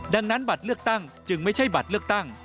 ดังนั้นบัตรเลือกตั้งจึงไม่ใช่บัตรเลือกตั้ง